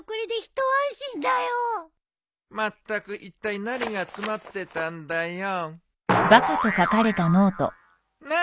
まったくいったい何が詰まってたんだよ。何？